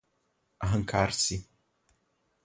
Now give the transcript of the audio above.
Arrancar-se